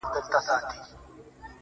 هغه ليوني ټوله زار مات کړی دی.